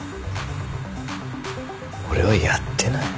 俺はやってない。